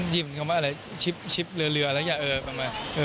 จริงคำว่าอะไรชิบเรืออะไรอย่างนี้